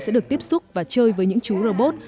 sẽ được tiếp xúc và chơi với những chú robot